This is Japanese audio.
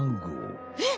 えっ？